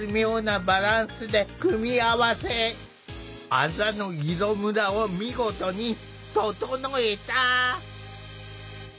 あざの色むらを見事に整えた！